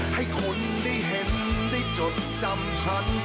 ให้คนได้เห็นได้จดจำฉัน